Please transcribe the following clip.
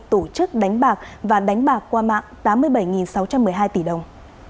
tổ chức đánh bạc và đánh bạc qua mạng tám mươi bảy sáu trăm một mươi hai tỷ đồng